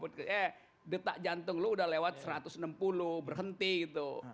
eh detak jantung lo udah lewat satu ratus enam puluh berhenti gitu